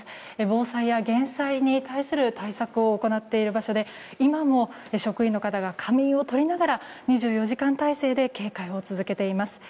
防災や減災に対する対策を行っている場所で今も職員の方が仮眠をとりながら２４時間態勢で警戒を続けています。